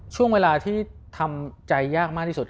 ช่วงเวลาที่ทำใจยากมากที่สุด